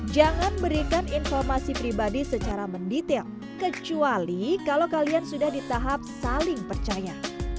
jangan berikan informasi pribadi secara mendetail kecuali kalau kalian sudah di tahap saling percaya